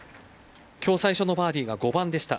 今日最初のバーディーは５番でした。